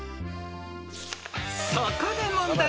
［そこで問題］